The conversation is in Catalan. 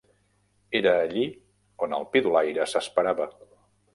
Era allí on el pidolaire s'esperava.